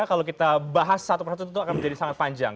kalau kita bahas satu persatu tentu akan menjadi sangat panjang